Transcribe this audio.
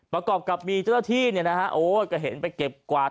ประกอบกับมีเจ้าหน้าที่ก็เห็นไปเก็บกวาด